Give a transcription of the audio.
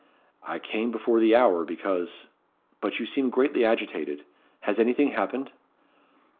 "I came before the hour, because but you seem greatly agitated. Has anything happened?"